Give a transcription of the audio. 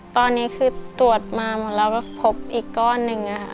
ตอนนี้คือตรวจมาเราก็พบอีกก้อนหนึ่ง